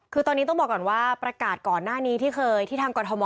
คือตอนนี้ต้องบอกก่อนว่าประกาศก่อนหน้านี้ที่เคยที่ทางกรทม